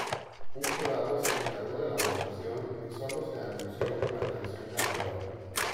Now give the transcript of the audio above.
Un jurado se encargó de la votación, y solo se anunció la canción ganadora.